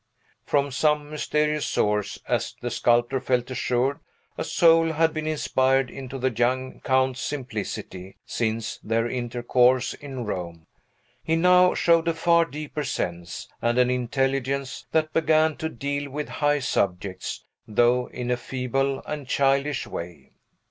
From some mysterious source, as the sculptor felt assured, a soul had been inspired into the young Count's simplicity, since their intercourse in Rome. He now showed a far deeper sense, and an intelligence that began to deal with high subjects, though in a feeble and childish way.